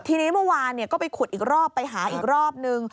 ทีนี้เมื่อวานก็ไปขุดอีกรอบไปหาอีกรอบนึง